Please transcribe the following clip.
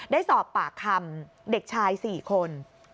ได้สอบปากคำเด็กชาย๔คน